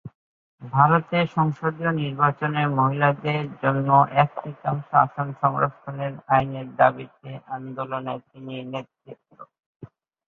ভারতে সংসদীয় নির্বাচনে মহিলাদের জন্য এক-তৃতীয়াংশ আসন সংরক্ষণের আইনের দাবিতে আন্দোলনে তিনি নেতৃত্ব দিয়েছিলেন।